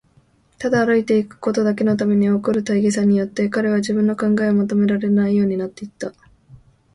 ただ歩いていくことだけのために起こる大儀さによって、彼は自分の考えをまとめられないようになっていた。